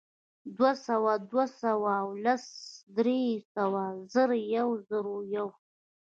دوهسوه، دوه سوه او لس، درې سوه، زر، یوزرویو